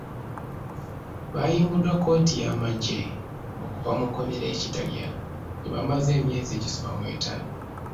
Baayimbuddwa kkooti y’amagye okuva mu kkomera e Kitalya gye bamaze emyezi egisoba mu etaano.